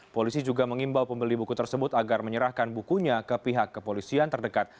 polisi juga mengimbau pembeli buku tersebut agar menyerahkan bukunya ke pihak kepolisian terdekat